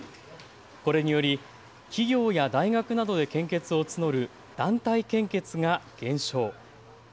これにより企業や大学などで献血を募る団体献血が減少。